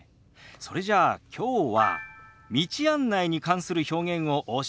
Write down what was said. それじゃあきょうは道案内に関する表現をお教えしましょう。